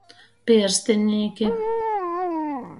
Pierstinīki.